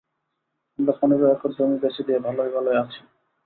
আমরা পনেরো একর জমি বেঁচে দিয়ে ভালোয় ভালোয় আছি।